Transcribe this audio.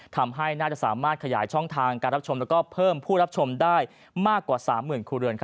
ทำให้น่าจะสามารถขยายช่องทางการรับชมและเพิ่มผู้รับชมได้มากกว่า๓๐๐๐ครัวเรือน